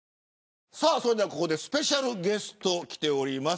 それではここでスペシャルゲスト来ております。